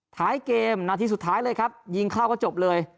ท้ายเกมนาทีสุดท้ายเลยครับยิงเข้าก็จบเลย